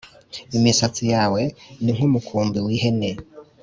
Imisatsi yawe ni nk’umukumbi w’ihene